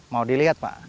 mau dilihat pak